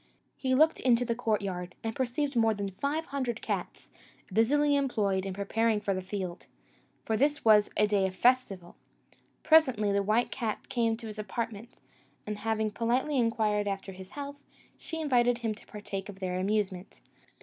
He looked into the courtyard, and perceived more than five hundred cats, busily employed in preparing for the field for this was a day of festival. Presently the white cat came to his apartment; and having politely inquired after his health, she invited him to partake of their amusement.